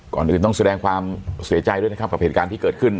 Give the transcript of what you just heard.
ก่อนอื่นต้องแสดงความเสียใจด้วยนะครับกับเหตุการณ์ที่เกิดขึ้น